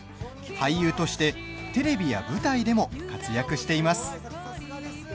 俳優としてテレビや舞台でも活躍しています。